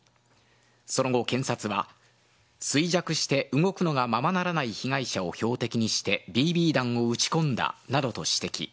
その後、検察は、衰弱して動くのがままならない被害者を標的にしてＢＢ弾を撃ち込んだなどと指摘。